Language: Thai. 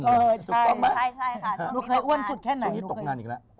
ใช่ค่ะช่วงนี้ตกงานอีกแล้ว